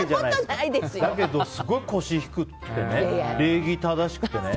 だけどすごい腰が低くて礼儀正しくてね。